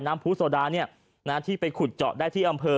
ผู้โซดาที่ไปขุดเจาะได้ที่อำเภอ